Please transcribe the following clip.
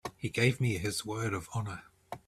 He gave me his word of honor.